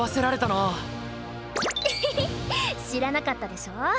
へへへ知らなかったでしょ？